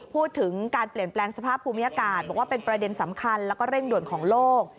พูดถึงการเปลี่ยนแปลงสภาพภูมิอากาศบอกว่าเป็นประเด็นสำคัญแล้วก็เร่งด่วนของโลก